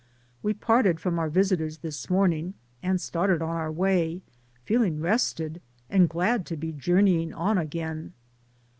We parted from our visitors this morning, and started on our way, feeling rested and glad to be journeying on again.